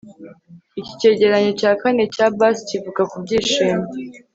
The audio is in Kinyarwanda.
iki cyegeranyo cya kane cya bassi kivuga ku byishimo